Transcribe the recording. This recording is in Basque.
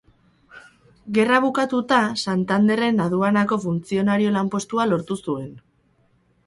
Gerra bukatuta, Santanderren aduanako funtzionario lanpostua lortu zuen.